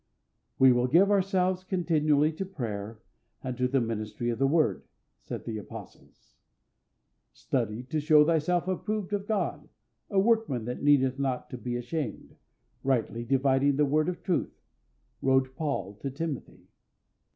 "We will give ourselves continually to prayer, and to the ministry of the word," said the Apostles. "Study to show thyself approved of God, a workman that needeth not to be ashamed; rightly dividing the word of truth," wrote Paul to Timothy.